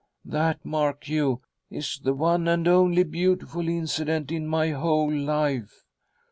" That, mark you, is the one and only beautiful incident in my ^whole fife."